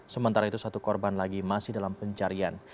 sementara itu satu korban lagi masih dalam pencarian